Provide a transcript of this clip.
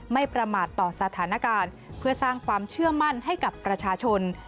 ไม่ประมาทต่อสถานการณ์เพื่อสร้างความเชื่อมั่นให้กับประชาชน